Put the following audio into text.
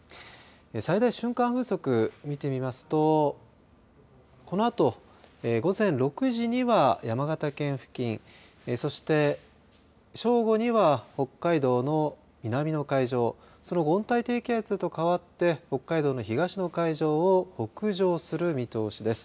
最大瞬間風速、見てみますとこのあと午前６時には山形県付近そして、正午には北海道の南の海上その後、温帯低気圧と変わって北海道の東の海上を北上する見通しです。